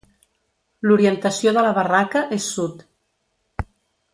L'orientació de la barraca és Sud.